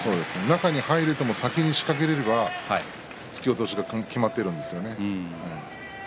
中に入ることができても先に仕掛けられれば突き落としが決まっているんですよね。